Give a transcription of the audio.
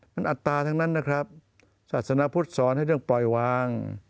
มันอัตราทั้งนั้นนะครับศาสนพุทธสอนให้เรื่องปล่อยวาง